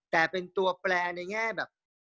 แต่เป็นตัวแปลในแง่แบบ